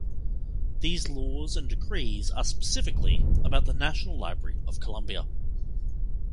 These laws and decrees are specifically about the National Library of Colombia.